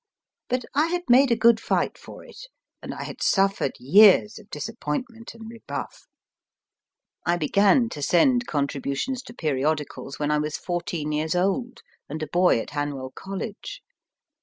But I had made a good fight for it, and I had suffered years of disappointment and rebuff. I began to send contri GEORGE R. SIMS 81 butions to periodicals when I was fourteen years old, and a boy at Hanwell College.